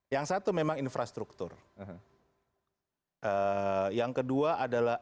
yang kedua adalah